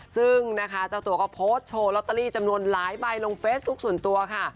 ซึ่งนะคะเจ้าตัวก็โพสต์โชว์ลอตเตอรี่จำนวนหลายใบลงเฟซบุ๊คส่วนตัวค่ะ